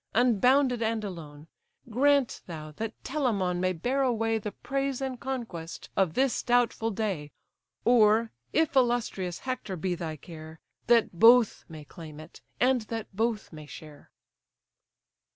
unbounded and alone: Grant thou, that Telamon may bear away The praise and conquest of this doubtful day; Or, if illustrious Hector be thy care, That both may claim it, and that both may share."